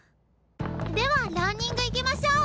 ではランニングいきましょう！